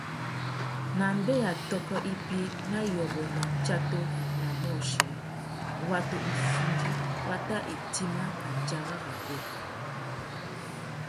Nà mbeya tôkô ibî na yôbôt na yatsatu na môchï, watu iffundu wa tà idjima andjara rabú.